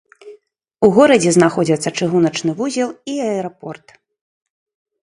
У горадзе знаходзяцца чыгуначны вузел і аэрапорт.